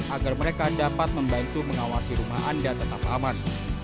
agar mereka dapat membantu mengawasi rumah anda tetap aman